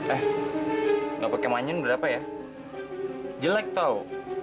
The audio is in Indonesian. eh nggak pakai manyun berapa ya jelek tau